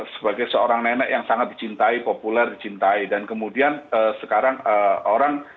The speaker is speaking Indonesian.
sebagai seorang nenek yang sangat dicintai populer dicintai dan kemudian sekarang orang